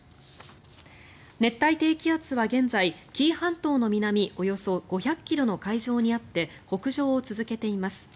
熱帯低気圧は現在紀伊半島の南およそ５００ｋｍの海上にあって北上を続けています。